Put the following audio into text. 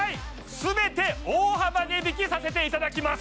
全て大幅値引きさせていただきます！